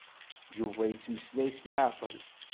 Yuba yettmeslay s leɛqel.